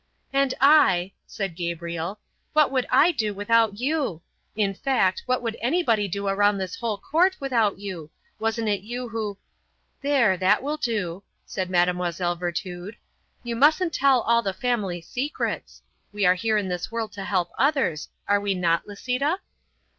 "And I," said Gabriel, "What would I do without you? In fact, what would everybody do around this whole court without you? Wasn't it you who " "There, that will do," said Mlle. Virtud. "You mustn't tell all the family secrets. We are here in this world to help others; are we not, Lisita?"